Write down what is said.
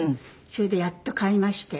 それでやっと買いまして。